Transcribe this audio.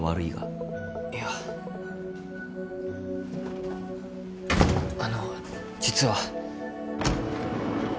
いやあの実は。